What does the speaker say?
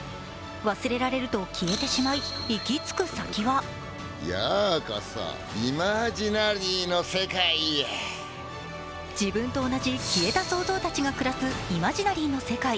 忘れられると消えてしまい、行き着く先は自分と同じ、消えた想像たちが暮らすイマジナリの世界。